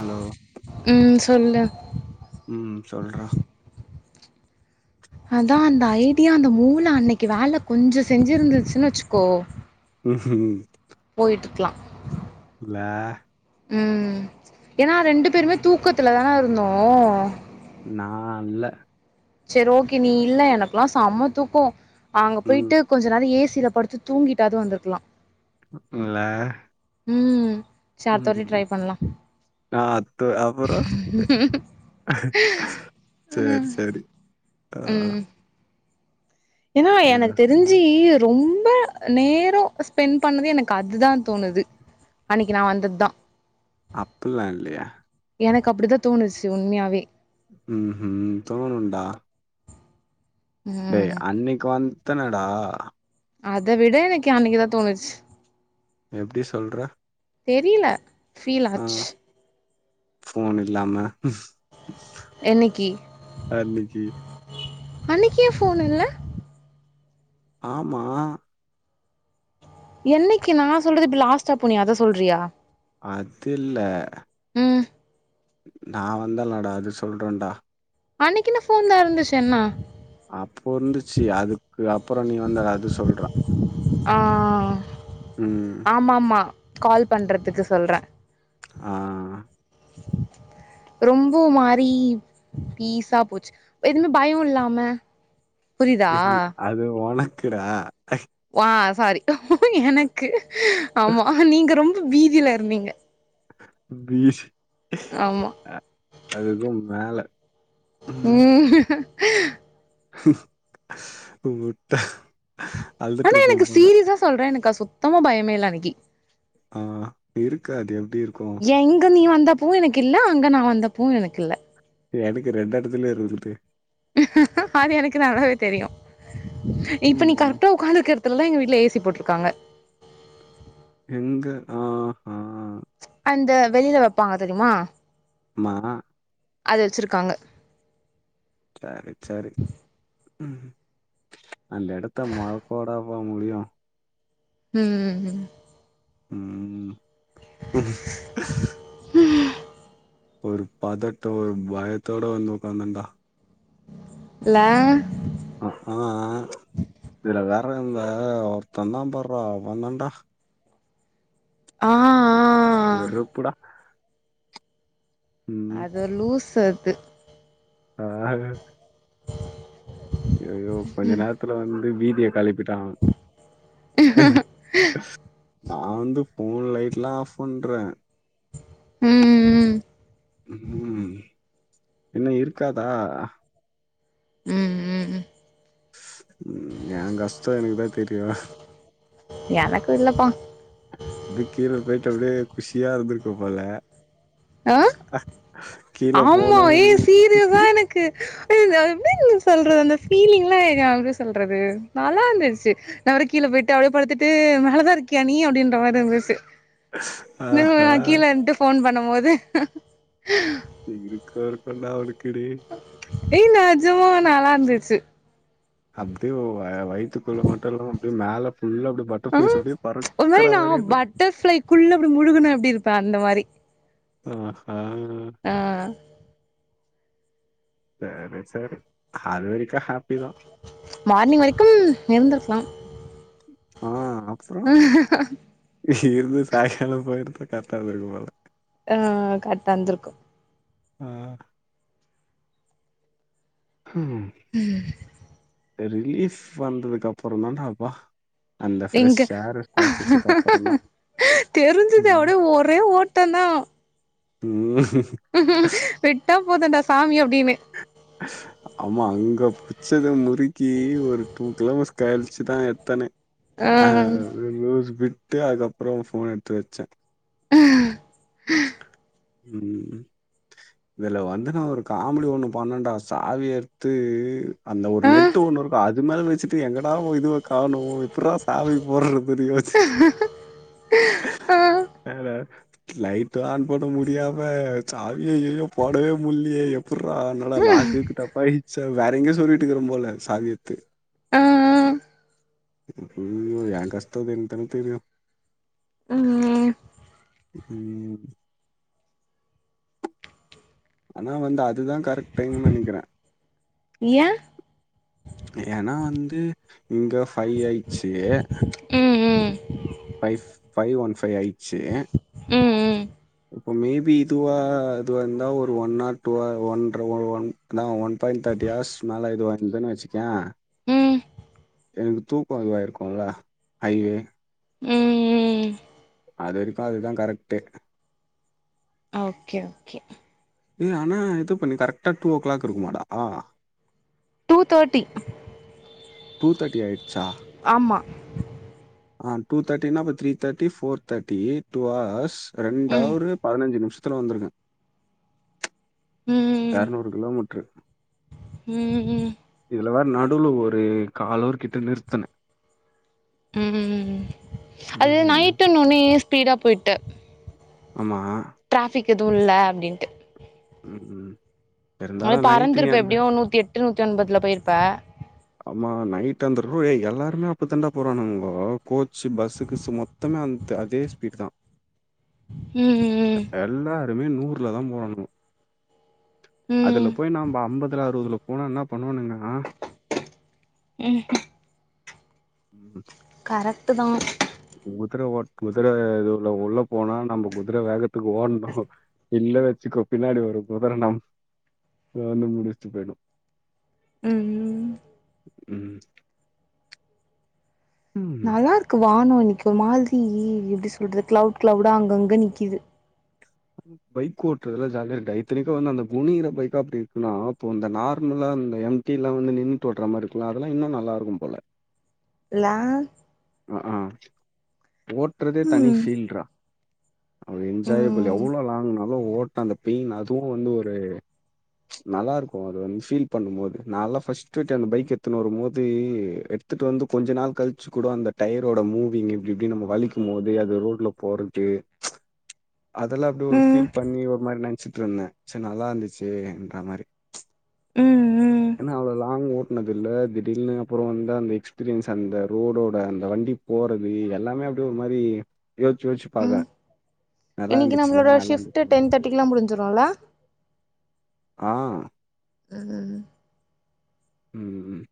Hello ம் சொல்லு ம் சொல்றா அதா அந்த ஐடியா அந்த மூள அன்னைக்கு வேல கொஞ்ச செஞ்சிருந்துச்சுன்னு வச்சுக்கோ ம்ஹு போய்ட்டுருக்லா இல்ல ம் ஏன்னா ரெண்டு பேருமே தூக்கத்துல தான இருந்தோ நா அல்ல செரி ஓகே நீ இல்ல எனக்குல்லா செம்ம தூக்கோ அங்க ம் போயிட்டு கொஞ்ச நேரம் ஏசியில படுத்து தூங்கிட்டாது வந்துருக்லா இல்ல ம் சா அடுத்தோட்டி ம் ட்ரை பண்லா ஆ அத்து அப்புறோ சேர் செரி ஆ ம். ஏன்னா வேற எனக்கு சொல்லு தெரிஞ்சி ரொம்ப நேரோ ஸ்பெண்ட் பண்ணது எனக்கு அதுதா தோணுது அன்னைக்கு நா வந்தது தா அப்பல்ல இல்லையே எனக்கு அப்டிதா தோணுச்சு உண்மயாவே ம்ஹூ தோணுண்டா டேய் ம். அன்னைக்கு வந்தனடா அத விட எனக்கு அன்னைக்கு தா தோணுச்சு எப்டி சொல்ற தெரில ஃபீல் ஆச்சு போன் இல்லாம என்னைக்கி அன்னைக்கி அன்னைக்கு ஏன் போன் இல்ல ஆமா என்னைக்கு நா சொல்றது இப்ப லாஸ்டா போனியே அத சொல்றியா அது இல்ல ம் நா வந்தேலடா அது சொல்றேன்டா அன்னைக்குன்னு ஃபோன் தா இருந்துச்சே என்னா அப்போ இருந்துச்சு அதுக்கு அப்பற நீ வந்தல்ல அது சொல்ற ஆ ம் ஆமாம்மா கால் பண்ணுறத்துக்கு சொல்றே ஆ ரொம்ப மாறி பீசா போச்சு எதுமே பயொ இல்லாம புரியுதா அது உனக்குடா வா சாரி எனக்கு ஆமா நீங்க ரொம்ப பீதில இருந்தீங்க பீதி ஆமா அ அதுக்கும் மேல ம் உட்ட ஆனா எனக்கு சீரியஸா சொல்றே எனக்கு அது சுத்தமா பயமே இல்ல அன்னைக்கு ஆ இருக்காது எப்டி இருக்கு எங்க நீ வந்தப்பவு எனக்கு இல்ல அங்க நா வந்தப்பவு எனக்கு இல்ல எதுக்கு ரெண்டு எடத்துலையு இருந்துக்கிட்டு அது எனக்கு நல்லாவே தெரியு இப்ப நீ ம் கரெக்டா உக்காந்துருக்க எடத் துலெல்லா எங்க வீட்ல ஏ சி போட்ருக்காங்க எங்க ஆ ஆ அந்த வெளில வெப்பாங்க தெரியுமா மா அது வச்சிருக்காங்க சரி சரி ம் அந்த எடத்த மாறக்கவாடாப்பா முடியு ம் ம் ம் ம் ம் ஒரு பதட்ட ஒரு பயத்தோட வந்து ஒக்காந்தண்டா இல்ல ஆ ஹா இதுல வேற இந்த ஒருத்த இருந்தா பார்றா அவந்தான்டா ஆ ஆ வெறுப்புடா ம் அது லூசு அது ஆ ஐயயோ கொஞ்ச நேரத்துல வந்து பீதிய கெளப்பிட்டா நான் வந்து ஃபோன் லைட்லா ஆஃப் பண்றே ம் ம் ம் பின்ன இருக்காதா ம் ம் ம் ம் எ கஷ்ட எனக்குதா தெரியு எனக்கு இல்லப்பா நீ கீழ போயிட்டு அப்டியே குஷியா இருந்திருக்க போல ஆ கீழ ஆமா போன ஏ ஒரு சீரியஸ்ஸா எனக் கு ஏ அத எப்டி என்ன சொல்றது அந்த ஃபீலிங்லா எங்க அவரே சொல்றது நல்லா இருந்துச்சு நா வேற கீழ போயிட்டு அப்டியே படுத்துட்டு மேல தா இருக்கியா நீ அப்டின்ற மாரி இருந்துச்சு ஆஹா நா கீழ இன்ட்டு ஃபோன் பண்ணும்போது இருக்கு இருக்கு டா அவனுக்கு டே ஏ நெஜமா நல்லாந்துச்சு அப்டியோ வ வய்த்துக்குள்ள மட்டு இல்லாம அப்டே மேல ஃபுல்லா அப்டி ப ம் ஒரு மாரி நா பட்டர் ஃப்ளைக்குள்ள அப்டே முழுகுனா எப்டி இருப்பே அந்த மாரி அ ஹ ஆ ஆ சேரி சேரி அது வரைக்கு ஹாப் மார்னிங் வரைக்கு இருந்துருக்லா ஆ அப்றோ இருந்து சாய்ங்காலோ போயிருந்தா கரட்டா இருந்துருக்கு போல ஆ கரெக்ட்டா இருந்துருக்கு ஆ ஹூம் ரிலீஃப் வந்ததுக்கு அப்பறந்தான்டா அப்பா அந்த ஃப்ரெஷ் இங்க ஏர் சுவாசிச்சதுக்கு அப்புறம் தான். தெரிஞ்சுது ம். அப்டே ஒரே ஓட்டந்தா ம் விட்டா போதுன்டா சாமி அப்டினு ஆமா அங்க புச்சத முறி கே ஒரு டூ கிலோமீட்ரு கழிச்சுதா எத்தனே ஆ அ ஒரு [unintelligible] விட்டு அதுக்கப்றோ ஓ ஃபோன் எத்து வச்சே ம் ம் இதுல வந்து நா ஒரு காமெடி ஒன்னு பண்ணன்டா சாவிய எத்து அந்த ஒரு ஆ நெட்டு ஒன்னு இருக்கு அது மேல வச்சுட் எங்கடா ஒ இதுவ காணு எப்புர்றா சாவி போர்றதுனு யோசிச் ஆ [inaudible] லைட்டு ஆன் பண்ண முடியாம சாவிய ய்யயோ போடவே முல்லியே எப்புர்றா என்னடா லாக்கு கிக்கு த ப்பாய்ச்சோ வேற எங்யோ சொறிவிட்டுக்குறன் போல சாவிய எத்து ஆ ஐய்யயோ ஏ கஷ்டோ எனக்கு தானே தெரியு ம் ம் ஆனா வந்து அதுதா கரெக்ட் டைம்ன் நெனைக்கிறே ஏன் ஏன்னா வந்து இங்க ஃபை ஆயிச்சு ம் ம் ஃபைஸ் ஃபை ஒன் ஃபை ஆயிச்சு ம் இப்போ மே பி இதுவா இதுவா இந்தா ஒரு ஒன் ஆர் டூ ஆர் ஒன்ர ஓ ஒன் அதா ஒன் பாயிண்ட் தேட்டி ஆர்ஸ் க்கு மேல இதுவாந்துன்னா வச்சுக்கியா ம் எனக்கு தூக்கோ இதுவாயிருக்குல அய் வே ம் அது வரைக்கு அதுதா கரெக்ட்டு ஓகே ஓகே இல்ல ஆனா இது பண்ணி கரெக்டா டூ ஓ கிளாக் இருக்குமாடா டூ தேட்டி டூ தேர்டி ஆயிருச்சா ஆமா ஆ டூ தேட்டினா அப்ப த்ரீ தேட்டி ஃபோர் தேட்டி டூ ஹார்ஸ் ரெண்டு ம் அவ்ரு பதினஞ்சு நிம்ஷத்துல வந்துருக்கன் ம் எர்நூறு கிலோமீட்ரு ம் ம் இதுல வேற நடுல ஒரு கால அவ்ரு கிட்ட நிறுத்துனே ம்ஹிம் அது ம் நைட்டுன்னோனே ஸ்பீடா போய்ட ஆமா ட்ராஃபிக் எது இல்ல அப்டின்டு ம் ம் அது இருந்தாலும் நைட்டு நீ பறந்திருப்ப அந்த எப்டியு நூத்தி எட்டு நூத்தி ஒன்பதுல போய்ருப்ப ஆமா நைட்டு வந்து ரூ ஏய் எல்லாருமே அப்டி தண்டா போறானுங்கோ கோச்சு பஸ்ஸு கிஸ்ஸு மொத் தமே அந்த அதே ஸ்பீட் தா ம் ஹும் எல்லாருமே நூர்ல தா போறானுவோ அதுல ம் போய் நம்ப அம்பதுல அறுவதுல போனா என்னா பண்ணுவாணுங்கனா ம்ஹ்ம் ம் கரெக்டு தா குதுர ஓட் குதுர [unintelligible] உள்ள போனா நம்ப குதுர வேகத்துக்கு ஓட்னு இல்ல வச்சுக்கொ பின்னாடி வர குதுர நம் வந்து முடிச்சுட்டு போயிடு ம் ம் ம் நல்லாருக்கு வானோ இன்னக்கு ஒரு மாதிரி எப்டி சொல்றது கிளவுட் கிளவுடா அங்கங்க நிக்கிது பைக் ஓட்டுறதுல ஜாலியாருக்கு இத்தனக்கு வந்து அந்த குனிற பைக்கா அப்டி இருக்குன்னா அப்ப இந்த நார்மலா அந்த எம் டிலா வந்து நின்னுட்டு ஓட்ட மாரி இருக்கல அதெல்லா இன்னு நல்லாக்கு போல இல்ல அஹும் ஓட்டுறதே தனி ம் ஃபீல்ரா அவ்ளோ என்ஜாயபிள் ம் எவ்வளோ லாங்னாலு ஓட்னா அந்த பெயின் அதுவு வந்து ஒரு நல்லா இருக்கு அது வந்து ஃபீல் பண்ணு போது நாலா ஃபஸ்ட்டு டைம் பைக் எடுத்துனு வரு போது எடுத் த்துட்டு வந்து கொஞ்சோ நாள் கழிச்சு கூட அந்த டயரோட மூவிங் இப்டி இப்டி நம்ம வலிக்கு போது அது ரோட்ல போறது அதெல்லா அப்டி ஒரு ம் ஃபீல் பண்ணி ஒரு மாரி நெனைச்சிட்டு இருந்தே சரி நல்லா இருந்துச்சுன்ற மாரி ம் ம் ஏன்ன அவ்ளோ லாங் ஓட் பண்ணதில்ல திடிர்னு அப்பறோ வந்து அந்த எக்ஸ்பீரியன்ஸ் அந்த ரோடோட அந்த வண்டி போறது எல்லாமே அப் டு ஒரு மாரி யோச்சு யோச்சு ம் பாக்கறே நல்லா இருந்துச்சுல நல்லா இருந்துச்சு [unintelligible] லா முடிஞ்சிருல ஆ ஆமாங்க ம் ம்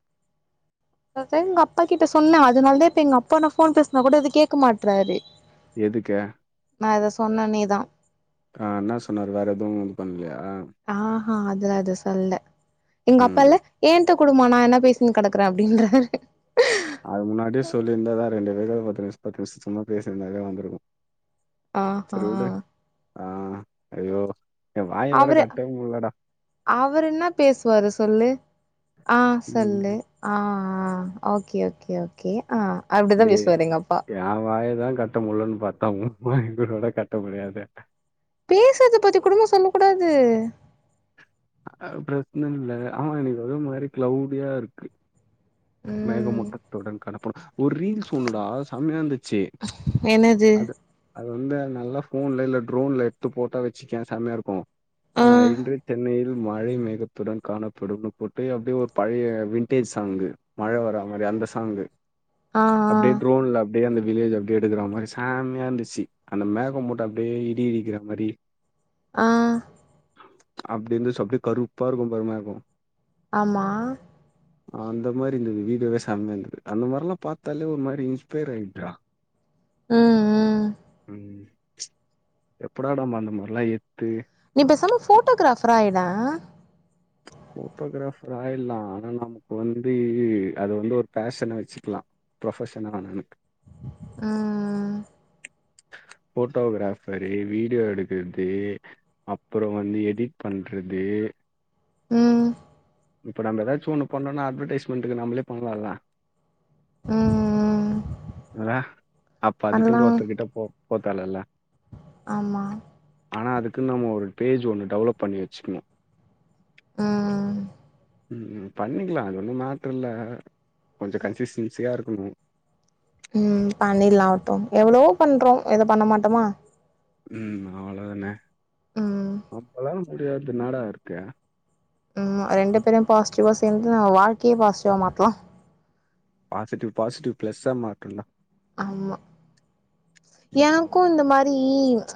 அதா எங்க அப்பா கிட்ட சொன்ன அதனாலதா இப்ப எங்க அப்பா நா ஃபோன் பேசுனா கூட எது கேக்க மாட்டறாரு எதுக்க நா இத சொன்னோனே தா ஆ, என்ன சொன்னாரு வேற எதுவு இது பண்லயா ஆஹ அதெல்லா எதும் சொல்ல எங்க ம் அப்பா இல்ல என் ட்ட குடுமா நா வேணா பேசின்ட்டு கடக்குறே அப்டின்றாரு அது முன்னாடியே சொல்லியிருந்தாதா ரெண்டு பேரு பத்து நிமிஷ பத்து நிமிஷோ சும்மா பேசியிருந்தாவே வந்திருக்கு ஆஹா சேரி வுடு, ஆ அய்யோ வாய வேற அவரு கட்டவே முடிலடா அவரு என்னா பேசுவாரு சொல்லு ஆ சொல்லு ம் ஆ ஆ ஓகே ஓகே ஓகே ஆ அப்படிதா பேசுவாரு எங்க அப்பா எ வாயதா கட்ட முடிலன்னு பாத்தா உன் வாய கூடவாடா கட்ட முடியாது பேசுறத பத்தி கூடவா சொல்ல கூடாது அ பிரச்சன இல்ல ஆமா இன்னக்கி ஏதோ மாரி கிளவ்டியா இருக்கு ம் மேகமூட்டத்துடன் காணப்படும் ஒரு ரீல்ஸ் ஒன்னுடா செமையாந்துச்சி என்னது அது வந்து நல்லா ஃபோன்ல இல்ல ட்ரோன்ல எடுத்துப் போட்டா வச்சுக்கயே செமையா இருக்கு ஆ இன்று சென்னையில் மழை மேகத்துடன் காணப்படுனு போட்டு அப்டியே ஒரு பழைய வின்டேஜ் சாங் மழ வரா மாரி அந்த சாங்கு ஆ அப்டியே ஆ ட்ரோன்ல அப்டியே அந்த வில்லேஜ்ஜ அப்டியேடுக்கிற மாரி செமயா இருந்துச்சி அந்த மேக மூட்ட அப்டியே இடி இடிக்கிற மாரி ஆ அப்டி இருந்துச்சு அப்டியே கருப்பா இருக்கு பாரு மேக ஆமா அந்த மாரி இருந்துது வீடியோவே செமையா இருந்துது அந்த மாரில்லா பாத்தாலே ஒரு மாரி இன்ஸ்பைர் ஆயிடுதுடா ம் ம் ம் எப்படா நம்ம அந்த மாரில்லா எடுத்து நீ பேசம்மா போட்டோகிராஃபரா ஆயிடா போட்டோகிராஃபர் ஆயிட்லா ஆனா நமக்கு வந்து அத வந்து ஒரு ஃபேஷனா வச்சிக்லா ப்ரொபஷனா வேணா எனக்கு ம் போட்டோகிராஃபரு, வீடியோ எடுக்கறது அப்றோ வந்து எடிட் பண்றது ம் இப்ப நம்ம ஏதாச்சு ஒண்ணு பண்ணுன்னா அட்வடைஸ்மென்ட்டுக்கு நம்மளே பண்ணலால்ல ம் இல்ல அப்ப அதுக்குன்ட்டு பண்ணலாம் ஒருத்தர் கிட்ட போ போத்தேவலல்ல ஆமா ஆனா அதுக்குனு நம்ம ஒரு பேஜ் ஒன்னு டெவலப் பண்ணி வச்சிக்ணு ம் ம் ம் பண்ணிக்கலா அது ஒன்னு மேட்டர் இல்ல கொஞ்சோ கன்சிஸ்டன்சியா இருக்கணு ம் பண்ணிட்லாவட்டு எவ்ளோவோ பண்றோ இந்த பண்ண மாட்டோமா ம் அவ்ளோதான ம் நம்பளால முடியாதது என்னடா இருக்கு ஆமா ரெண்டு ம். பேரும் பாசிட்டிவா சேந்து நம்ப வாழ்க்கையே பாசிட்டிவா மாத்தலா பாசிட்டிவ் பாசிட்டிவ் ப்ளஸ்சா ஆ மாத்திட்லா ஆமா ம். எனக்கு இந்த மாரி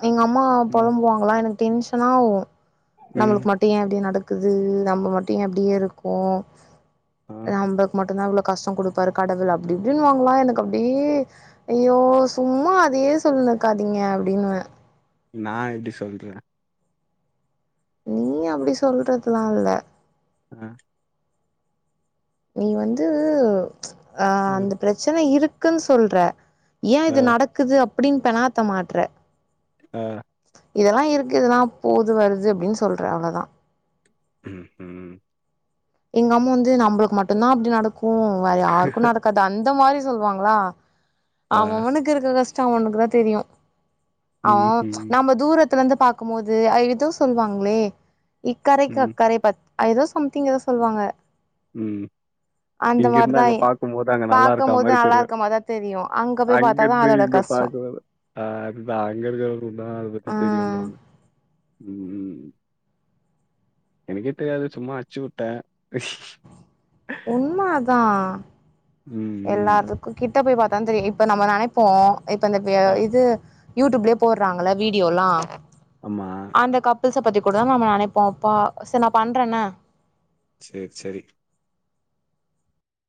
எங்க அம்மா ம். பொழம்புவாங் அப்ல்லா எனக்கு டென்ஷனாவு ம். நம்மளுக்கு மட் ட்ரு ஏன் அப்டி நடக்குது நம்ம மட்டு ஏன் அப்டியே இருக்கோ ஆ. நம்பளுக் மட்டுந்தா இ்வ்ளோ கஷ்ட குடுப்பாரு கடவுள் அப்டி இப்டின்னுவாங்களா எனக்கு அப்டியே ஐயோ சும்மா அதையே சொல்லினுக்காதீங்க அப்டின்னுவ நா எப்டி சொல்ற நீ அப்டி சொல்றதுலா இல்ல ஆ நீ வந்து ஆ ம். அந்த பிரச்சன இருக்குன்னு சொல்ற ஏன் ஆ. இது நடக்குது அப்டின்னு பெணாத்த மாட்ற ஆ இதெல்லா இருக்கு இதெல்லா போது வருது அப்டின்னு சொல்ற அவ்வளோதா ம் எங்க அம்மா வந்து நம்பளுக்கு மட்டுந்தா அப்டி நடக்கு வேற யாருக்கு நடக்காது அந்த மாரி சொல்லுவாங்களா அவ ஆ. அவனுக்கு இருக்கற கஷ்டோ அவ அவனுக்குதா தெரியு அவ ம்ஹ்ம். நம்ப தூரத்துலேருந்து பாக்கும் போது ஆ ஏதோ சொல்லுவாங்களே இக்கறைக்கு ம், அக்கறை பச் ஏதோ சம்திங் ஏதோ சொல்லுவாங்க ம் இங்கேருந்து அங்க பாக்கும்போது அங்க நல்லா இருக்கா பாக்கும் போது மாதிரி நல்லா தெரியு இருக்க மாரிதா தெரியு அங்க போய் பாத்தாதா அங்கேருந்து அதோட இங்க கஷ்டோ பாக்கறது ஆ அதுதா அங்க இருக்கவங்களுக்கு தா அதபத்தி ஆ தெரியுன்னுவாங்க ம் ம் எனக்கே தெரியாது சும்மா அச்சு விட்ட உண்ம அதா ம் ம். எல்லாத்துக்கும் கிட்ட போய் பாத்தா தெரியு இப்ப நம்ம நெனைப்போ இப்ப இந்த பே ஆ. இது யூடியூப்லயே போட்றாங்கள வீடியோ எல்லா ஆமா அந்த கப்புள்ஸ பத்தி கூட நம்ம நெனைப்போ அப்பா சேரி நா பண்றேன்ன செரி செரி